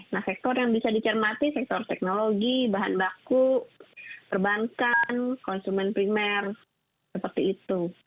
nah sektor yang bisa dicermati sektor teknologi bahan baku perbankan konsumen primer seperti itu